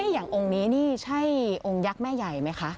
อย่างองค์นี้นี่ใช่องค์ยักษ์แม่ใหญ่ไหมคะ